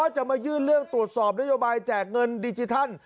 จะมายื่นเรื่องตรวจสอบนโยบายแจกเงินดิจิทัล